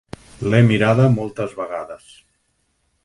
L'he mirada moltes vegades.